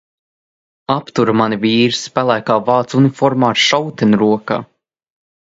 Aptura mani vīrs, pelēkā vācu uniformā ar šauteni rokā.